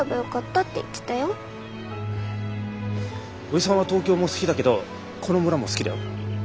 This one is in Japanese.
おじさんは東京も好きだけどこの村も好きだよ。